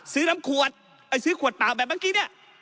ซื้อน้ำขวดซื้อขวดเปล่าแบบเมื่อกี้เนี่ย